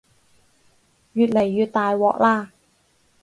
越嚟越大鑊喇